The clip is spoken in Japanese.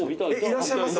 いらっしゃいます？